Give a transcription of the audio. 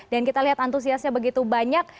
dan kita lihat antusiasnya begitu banyak